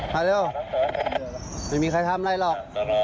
มาเร็วไม่มีใครทำอะไรหรอก